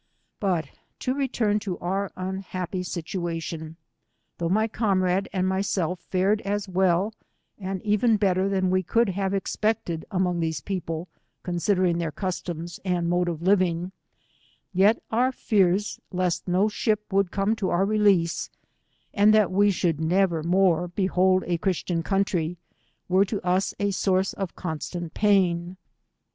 T3ut to return io our unhappy situation. Though my comrade and myself fared as well, and even better than we could have expected among these people, considering their customs and mode of living, yet oar feass lest no ship would come to our release, and that we should never more behold a Christian country, were io us a source of constant pain.